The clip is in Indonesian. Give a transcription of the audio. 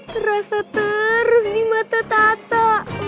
terasa terus di mata tato